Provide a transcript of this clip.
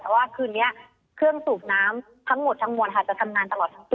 แต่ว่าคืนนี้เครื่องสูบน้ำทั้งหมดทั้งมวลค่ะจะทำงานตลอดทั้งคืน